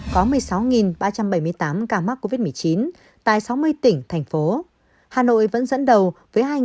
có một mươi sáu ba trăm bảy mươi tám ca mắc covid một mươi chín tại sáu mươi tỉnh thành phố hà nội vẫn dẫn đầu với hai tám trăm một mươi ca